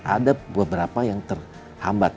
ada beberapa yang terhambat